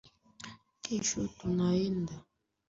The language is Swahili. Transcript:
Kesho tunaenda.